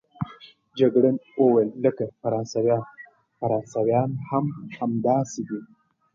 جګړن وویل: لکه فرانسویان، فرانسویان هم همداسې دي.